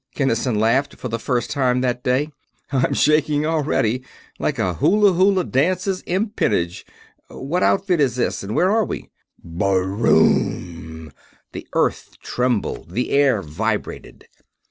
Kinnison laughed for the first time that day. "I'm shaking already, like a hula hula dancer's empennage. What outfit is this, and where are we?" "BRROOM!" The earth trembled, the air vibrated.